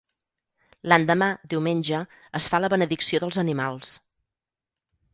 L'endemà, diumenge, es fa la benedicció dels animals.